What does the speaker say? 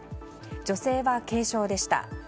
女性は軽傷でした。